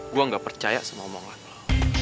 gue gak percaya sama omongan lo